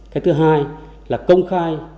cách thứ hai là công khai